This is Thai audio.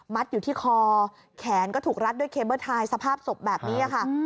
อยู่ที่คอแขนก็ถูกรัดด้วยเคเบิ้ลทายสภาพศพแบบนี้ค่ะ